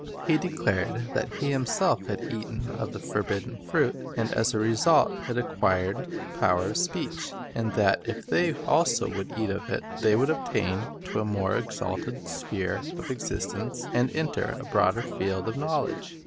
He Faith declared that he himself had eaten of the forbidden fruit, and as a result had acquired the power of speech; and that if they also would eat of it, they would attain to a more exalted sphere of existence, and enter a broader field of knowledge.